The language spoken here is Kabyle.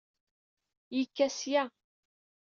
Yekka seg-a.